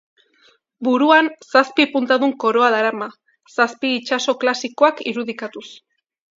Buruan zazpi puntadun koroa darama, zazpi itsaso klasikoak irudikatuz.